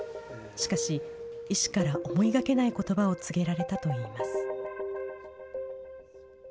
しかし、医師から思いがけないことばを告げられたといいます。